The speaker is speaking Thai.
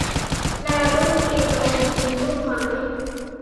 แลลูกลิงลงชิง ลูกไม้